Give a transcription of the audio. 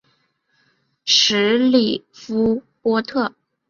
什里夫波特。